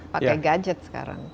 pakai gadget sekarang